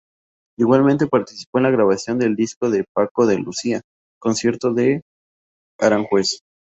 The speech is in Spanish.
Igualmente participó en la grabación del disco de Paco de Lucía "Concierto de Aranjuez".